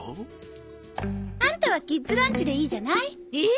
アンタはキッズランチでいいじゃない。え！